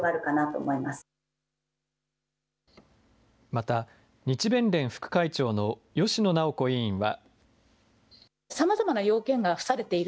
また日弁連副会長の芳野直子委員は。